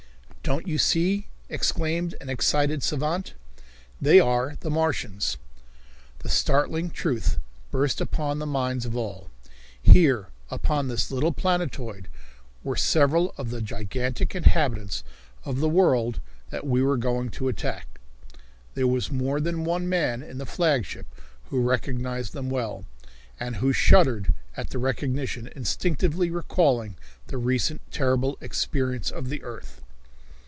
"Don't you see?" exclaimed an excited savant. "They are the Martians!" The startling truth burst upon the minds of all. Here upon this little planetoid were several of the gigantic inhabitants of the world that we were going to attack. There was more than one man in the flagship who recognized them well, and who shuddered at the recognition, instinctively recalling the recent terrible experience of the earth.